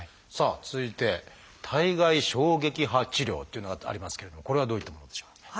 さあ続いて「体外衝撃波治療」というのがありますけれどこれはどういったものでしょう？